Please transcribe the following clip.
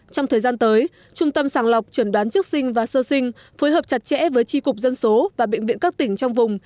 trong thời gian tới trung tâm sàng lọc trần đoán trước sinh và sơ sinh phối hợp chặt chẽ với tri cục dân số và bệnh viện các tỉnh trong vùng